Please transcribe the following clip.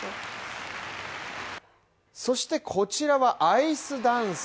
そしてこちらはアイスダンス